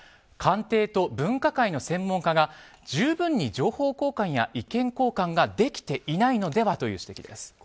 官邸と分科会の専門家が十分に情報交換や意見交換ができていないのではという指摘です。